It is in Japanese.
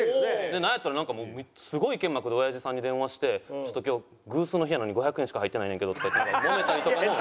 なんやったらすごい剣幕でおやじさんに電話して「ちょっと今日偶数の日やのに５００円しか入ってないねんけど」とか言ってもめたりとかも。